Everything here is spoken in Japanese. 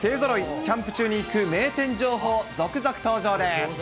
キャンプ中に行く名店情報、続々登場です。